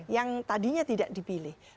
yang tadinya tidak dipilih